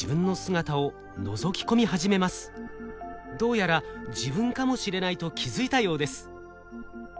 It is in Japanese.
どうやら自分かもしれないと気付いたようです。